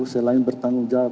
selain bertanggung jawab